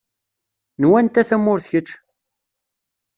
N wanta tamurt kečč?